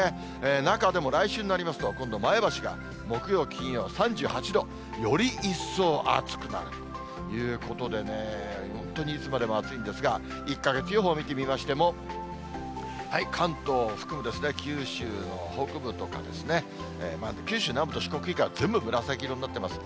中でも来週になりますと、今度、前橋が木曜、金曜、３８度、より一層暑くなるということでね、本当にいつまでも暑いんですが、１か月予報見てみましても、関東を含む九州の北部とか、九州南部と四国以外、全部紫色になってます。